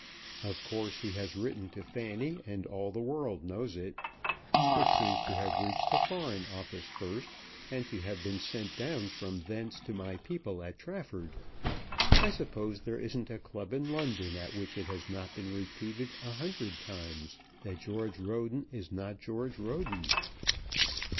"Of course he has written to Fanny, and all the world knows it. It seems to have reached the Foreign Office first, and to have been sent down from thence to my people at Trafford. I suppose there isn't a club in London at which it has not been repeated a hundred times that George Roden is not George Roden."